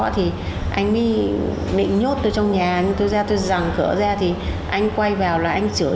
anh ấy định nhốt tôi trong nhà tôi rẳng cửa ra anh ấy quay vào là anh ấy chửi